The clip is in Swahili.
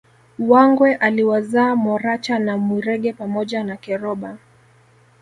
Wangwe aliwazaa Moracha na Mwirege pamoja na Keroba